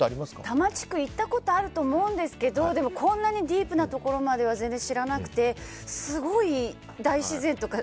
多摩地区行ったことあると思うんですけどこんなにディープなところまでは全然知らなくてすごい大自然とか。